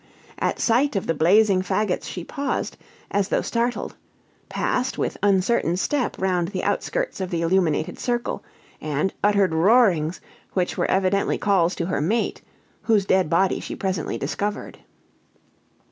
At sight of the blazing faggots she paused, as though startled; passed with uncertain step round the outskirts of the illuminated circle; and uttered roarings, which were evidently calls to her mate, whose dead body she presently discovered.